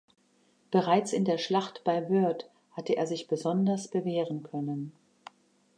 Bereits in der Schlacht bei Wörth hatte er sich besonders bewähren können.